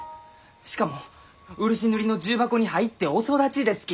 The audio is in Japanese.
しかも漆塗りの重箱に入ってお育ちですき！